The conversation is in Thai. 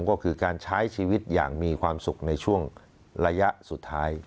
ก็คือการใช้ชีวิตอย่างมีความสุขในช่วงระยะสุดท้าย